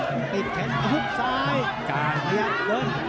ปิดแขนหุบซ้าย